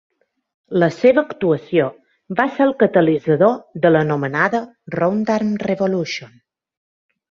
La seva actuació va ser el catalitzador de l'anomenada "roundarm revolution".